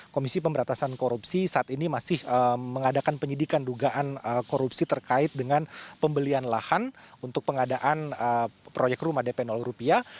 komisi pemberantasan korupsi saat ini masih mengadakan penyidikan dugaan korupsi terkait dengan pembelian lahan untuk pengadaan proyek rumah dp rupiah